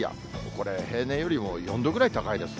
これ、平年よりも４度ぐらい高いです。